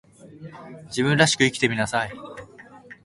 自分らしく生きてみなさい